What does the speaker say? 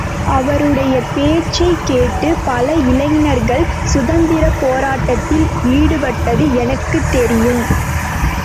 அவருடைய பேச்சைக் கேட்டுப் பல இளைஞர்கள் சுதந்திரப் போராட்டத்தில் ஈடுபட்டது எனக்குத் தெரியும்.